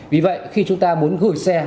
vì vậy khi chúng ta muốn gửi xe